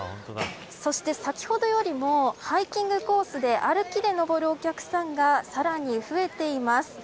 そして先ほどよりもハイキングコースで歩きで登るお客さんがさらに増えています。